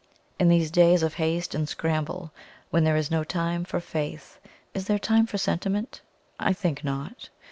In these days of haste and scramble, when there is no time for faith, is there time for sentiment? I think not.